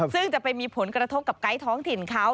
ซึ่งจะไปมีผลกระทบกับไกด์ท้องถิ่นเขา